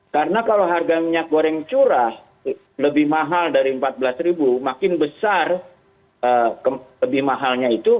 karena kalau harga minyak goreng curah lebih mahal dari empat belas ribu makin besar lebih mahalnya itu